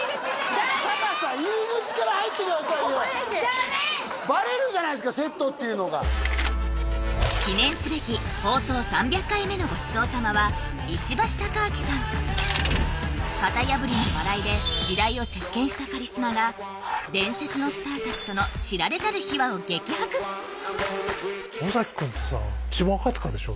貴さん入り口から入ってくださいよバレるじゃないですかセットっていうのが記念すべき放送３００回目のごちそう様は型破りな笑いで時代を席巻したカリスマが伝説のスター達との知られざる秘話を激白えっ？